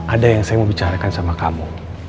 ada yang saya mau bicarakan sama kamu